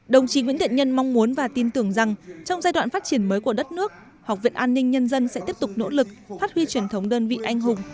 đồng chí nguyễn thiện nhân mong muốn và tin tưởng rằng trong giai đoạn phát triển mới của đất nước học viện an ninh nhân dân sẽ tiếp tục nỗ lực phát huy truyền thống đơn vị anh hùng